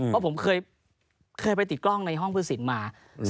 ว่าผมเคยไปติดกล้องในห้องพฤศิษฐ์มา